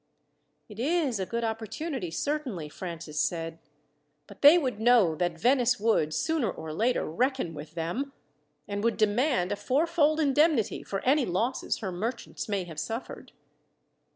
"It is a good opportunity, certainly," Francis said; "but they would know that Venice would, sooner or later, reckon with them; and would demand a four fold indemnity for any losses her merchants may have suffered.